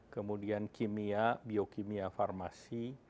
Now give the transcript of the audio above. kemudian kimia biokimia farmasi